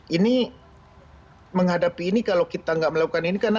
ini menghadapi ini kalau kita gak melakukan ini karena